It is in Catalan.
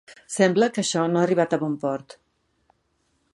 Sembla que això no ha arribat a bon port.